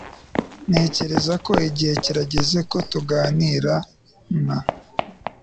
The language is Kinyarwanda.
Ntekereza ko igihe kirageze ko tuganira na .